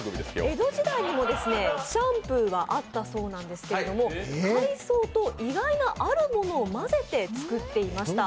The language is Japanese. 江戸時代にもシャンプーもあったそうなんですけれども海藻と意外なあるものを混ぜて作っていました。